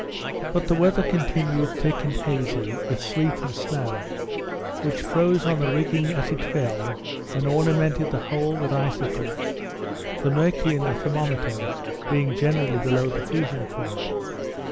But the weather continued thick and hazy, with sleet and snow, which froze on the rigging as it fell, and ornamented the whole with icicles; the mercury in the thermometer being generally below the freezing point.